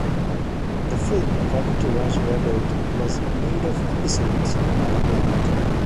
The film according to Roger Ebert was "made of episodes, not a plot".